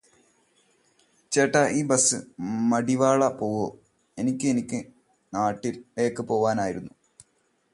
ചേട്ടാ ഈ ബസ് മടിവാള പോവോ? എനിക്ക് എനിക്ക് നാട്ടിലേക്ക് പോവാൻ ആയിരുന്നു.